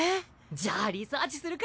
じゃあリサーチするか。